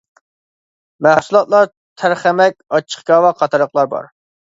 مەھسۇلاتلار تەرخەمەك، ئاچچىق كاۋا قاتارلىقلار بار.